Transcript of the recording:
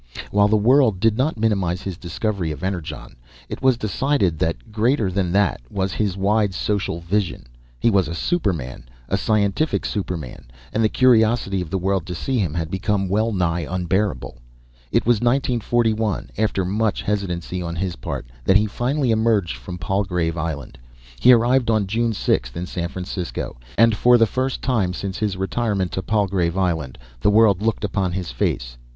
While the world did not minimize his discovery of Energon, it was decided that greater than that was his wide social vision. He was a superman, a scientific superman; and the curiosity of the world to see him had become wellnigh unbearable. It was in 1941, after much hesitancy on his part, that he finally emerged from Palgrave Island. He arrived on June 6 in San Francisco, and for the first time, since his retirement to Palgrave Island, the world looked upon his face.